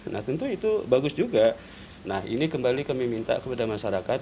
nah tentu itu bagus juga nah ini kembali kami minta kepada masyarakat